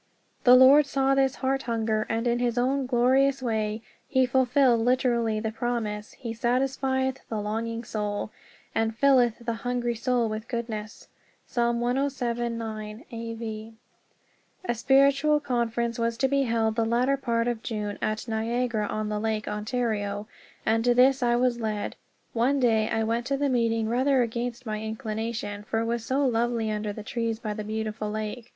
The Lord saw this heart hunger, and in his own glorious way he fulfilled literally the promise, "He satisfieth the longing soul, and filleth the hungry soul with goodness" (Psa. 107:9, A. V.). A spiritual conference was to be held the latter part of June at Niagara on the Lake, Ontario, and to this I was led. One day I went to the meeting rather against my inclination, for it was so lovely under the trees by the beautiful lake.